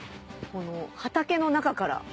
畑の中から。